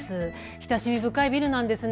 親しみ深いビルなんですね。